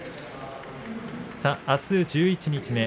あす十一日目。